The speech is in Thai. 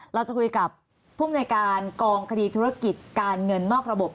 เราจะคุยกับผู้อำนวยการกองคดีธุรกิจการเงินนอกระบบ